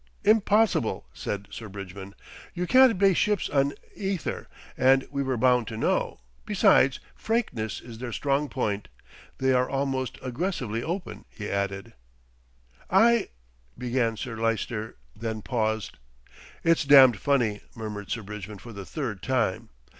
"Impossible," said Sir Bridgman. "You can't base ships on ether, and we were bound to know, besides frankness is their strong point. They are almost aggressively open," he added. "I " began Sir Lyster, then paused. "It's damned funny," murmured Sir Bridgman for the third time.